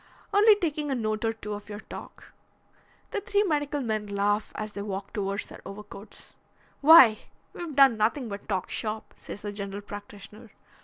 "Only taking a note or two of your talk." The three medical men laugh as they walk towards their overcoats. "Why, we've done nothing but talk shop," says the general practitioner.